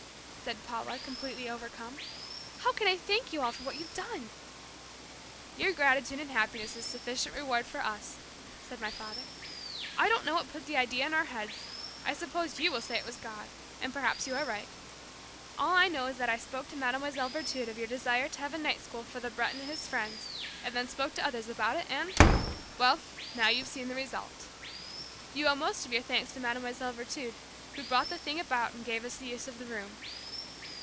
said Paula completely overcome. "How can I thank you all for what you've done?" "Your gratitude and happiness is sufficient reward for us," said my father. "I don't know what put the idea in our heads. I suppose you will say it was God, and perhaps you are right. All I know is that I spoke to Mlle. Virtud of your desire to have a night school for the Breton and his friends, and then spoke to others about it and well, now you've seen the result. You owe most of your thanks to Mlle. Virtud who brought the thing about and gave us the use of the room."